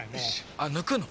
あっぬくの？